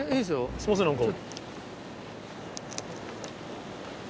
すいません何か。